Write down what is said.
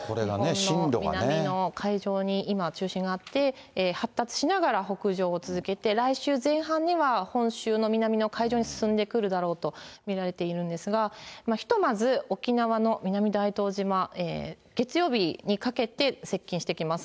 日本の南の海上に今、中心があって、発達しながら北上を続けて、来週前半には、本州の南の海上に進んでくるだろうと見られているんですが、ひとまず、沖縄の南大東島、月曜日にかけて、接近してきます。